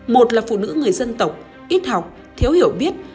một là phụ nữ người dân tộc ít học thiếu hiểu biết